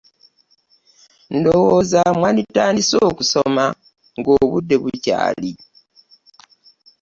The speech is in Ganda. Ndowooza mwandi tandise okusoma nga obudde bukyali.